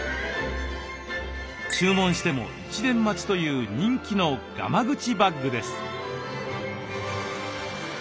注文しても１年待ちという人気のがま口バッグです。